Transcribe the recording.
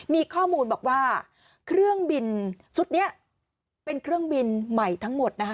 มีข้อมูลบอกว่าเครื่องบินชุดนี้เป็นเครื่องบินใหม่ทั้งหมดนะคะ